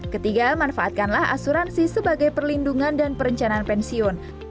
ketiga manfaatkanlah asuransi sebagai perlindungan dan perencanaan pensiun